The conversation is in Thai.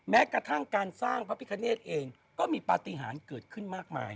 แม้กระทั่งการสร้างพระพิคเนธเองก็มีปฏิหารเกิดขึ้นมากมาย